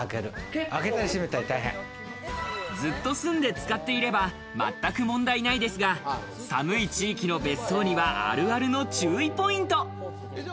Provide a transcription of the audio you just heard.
ずっと住んで使っていれば全く問題ないですが、寒い地域の別荘には、あるあるの注意ポイント。